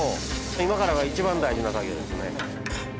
今からが一番大事な作業ですね。